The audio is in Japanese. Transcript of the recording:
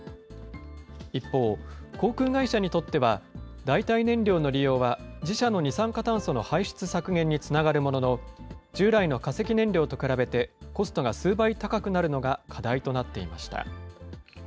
一方、航空会社にとっては、代替燃料の利用は自社の二酸化炭素の排出削減につながるものの、従来の化石燃料と比べて、コストが数倍高くなるのが課題となっていました。